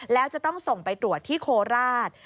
แล้วจะต้องส่งไปตรวจที่โคราช